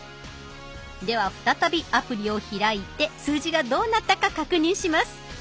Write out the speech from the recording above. では再びアプリを開いて数字がどうなったか確認します。